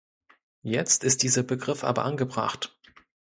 Jetzt ist dieser Begriff aber angebracht.